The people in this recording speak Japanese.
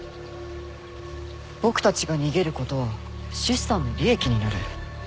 僕たちが逃げることはシスターの利益になる。